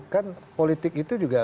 kan politik itu juga